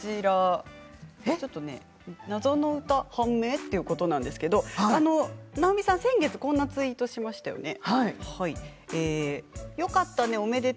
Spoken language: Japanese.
謎の歌判明ということなんですけど直美さん、先月こんなツイートしましたよね。